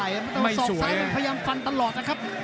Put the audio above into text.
มันต้องสอกซ้ายมันพยายามฟันตลอดนะครับ